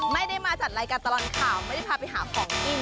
ไม่ได้มาจัดรายการตลอดข่าวไม่ได้พาไปหาของกิน